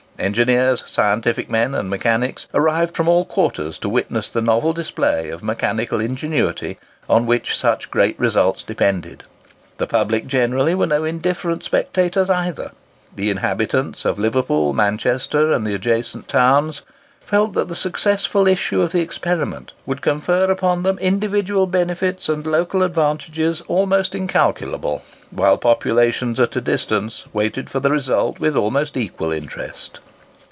Engineers, scientific men, and mechanics, arrived from all quarters to witness the novel display of mechanical ingenuity on which such great results depended. The public generally were no indifferent spectators either. The inhabitants of Liverpool, Manchester, and the adjacent towns felt that the successful issue of the experiment would confer upon them individual benefits and local advantages almost incalculable, whilst populations at a distance waited for the result with almost equal interest.